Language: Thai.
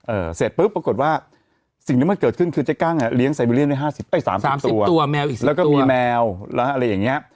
เอ่อเสร็จปุ๊บปรากฏว่าสิ่งที่มันเกิดขึ้นคือเจ๊กั้งอ่ะเลี้ยงไซเบรียนด้วยห้าสิบเอ้ยสามสิบตัวสามสิบตัวแมวอีกสิบตัวแล้วก็มีแมวแล้วอะไรอย่างเงี้ย